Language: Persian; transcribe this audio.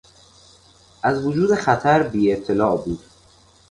از وجود خطر بیاطلاع بود.